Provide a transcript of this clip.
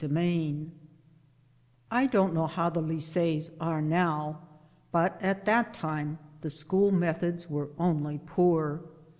DREAMS I don't know how the Lyce*es are now, but at that time the school methods were only poor.